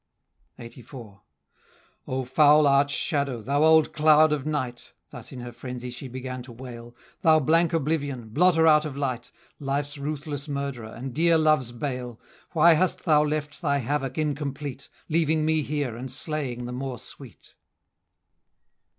LXXXIV. "O foul Arch Shadow, thou old cloud of Night," (Thus in her frenzy she began to wail,) "Thou blank Oblivion blotter out of light, Life's ruthless murderer, and dear love's bale! Why hast thou left thy havoc incomplete, Leaving me here, and slaying the more sweet?"